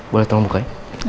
boleh tolong buka ya